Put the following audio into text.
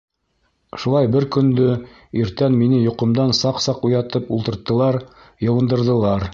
Шулай бер көндө иртән мине йоҡомдан саҡ-саҡ уятып ултырттылар, йыуындырҙылар.